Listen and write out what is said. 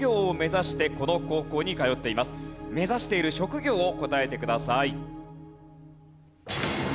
目指している職業を答えてください。